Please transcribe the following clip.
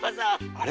「あれ？